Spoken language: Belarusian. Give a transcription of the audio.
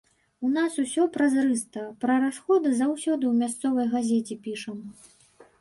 У нас усё празрыста, пра расходы заўсёды ў мясцовай газеце пішам.